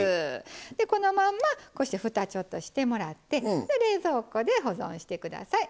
でこのまんまこうしてふたちょっとしてもらって冷蔵庫で保存して下さい。